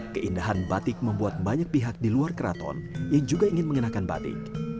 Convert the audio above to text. keindahan batik membuat banyak pihak di luar keraton yang juga ingin mengenakan batik